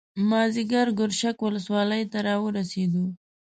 مازیګر ګرشک ولسوالۍ ته راورسېدو.